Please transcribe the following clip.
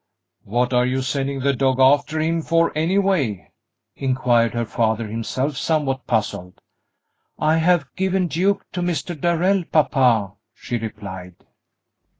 "What are you sending the dog after him for, anyway?" inquired her father, himself somewhat puzzled. "I have given Duke to Mr. Darrell, papa," she replied.